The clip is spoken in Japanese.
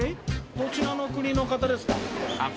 どちらの国の方ですか？